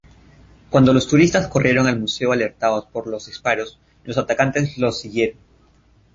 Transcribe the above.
Cuando los turistas corrieron al museo alertados por los disparos, los atacantes los siguieron.